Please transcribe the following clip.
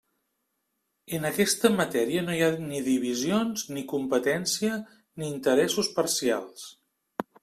En aquesta matèria no hi ha ni divisions, ni competència, ni interessos parcials.